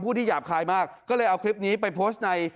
ที่หยาบคายมากก็เลยเอาคลิปนี้ไปโพสต์ใน